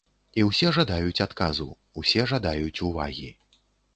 І ўсе жадаюць адказу, усе жадаюць увагі.